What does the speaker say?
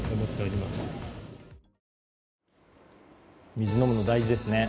水飲むの大事ですね。